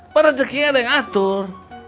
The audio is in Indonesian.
pada rezeki ada yang atur